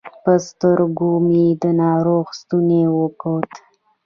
په ستونګوري مې د ناروغ ستونی وکوت